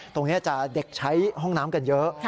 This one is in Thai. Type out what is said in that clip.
ตรงนี้จะเด็กใช้ห้องน้ำกันเยอะ